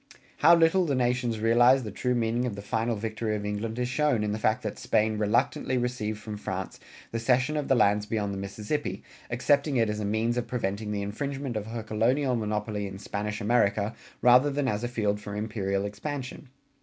How little the nations realized the true meaning of the final victory of England is shown in the fact that Spain reluctantly received from France the cession of the lands beyond the Mississippi, accepting it as a means of preventing the infringement of her colonial monopoly in Spanish America rather than as a field for imperial expansion.